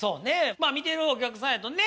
まあ見てるお客さんやとね